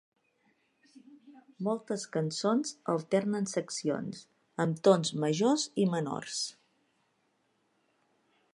Moltes cançons alternen seccions amb tons majors i menors.